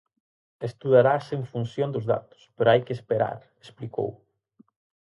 Estudarase en función dos datos, pero hai que esperar, explicou.